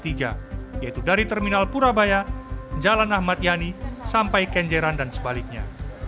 yaitu dari terminal purabaya jalan ahmad yani sampai kenjeran dan sebaliknya